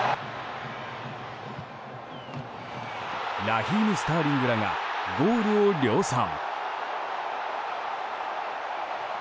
ラヒーム・スターリングらがゴールを量産。